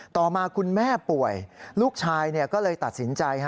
ต่อมาคุณแม่ป่วยลูกชายก็เลยตัดสินใจ